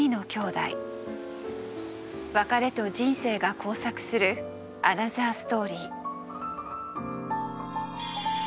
別れと人生が交錯するアナザーストーリー。